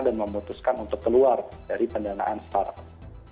dan memutuskan untuk keluar dari pendanaan startup